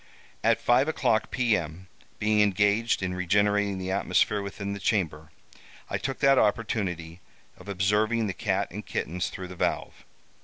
"At five o'clock, p.m., being engaged in regenerating the atmosphere within the chamber, I took that opportunity of observing the cat and kittens through the valve.